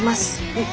うん。